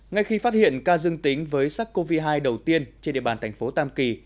ngay khi phát hiện ca dương tính với sắc covid một mươi chín đầu tiên trên địa bàn thành phố tam kỳ